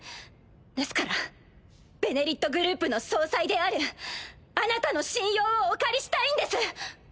ですから「ベネリット」グループの総裁であるあなたの信用をお借りしたいんです。